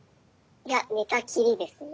いや寝たきりですね。